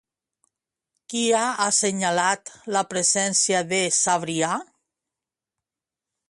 Qui ha assenyalat la presència de Sabrià?